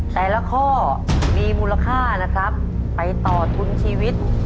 แต่ละข้อมีมูลค่านะครับไปต่อทุนชีวิต